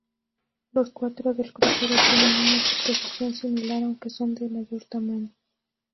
Los cuatro del crucero tienen una disposición similar aunque son de mayor tamaño.